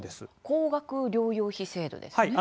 高額療養費制度ですね。